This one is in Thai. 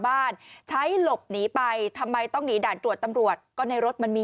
บ้านใช้หลบหนีไปทำไมต้องหนีด่านตรวจตำรวจก็ในรถมันมี